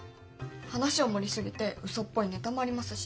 話を盛り過ぎてうそっぽいネタもありますし。